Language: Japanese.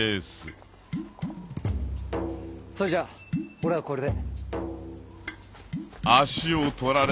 それじゃ俺はこれで。